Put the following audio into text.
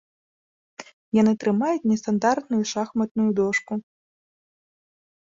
Яны трымаюць нестандартную шахматную дошку.